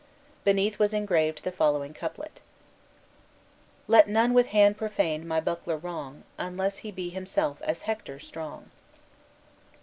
Beneath was engraved the following couplet: "Let none with hand profane my buckler wrong Unless he be himself as Hector strong."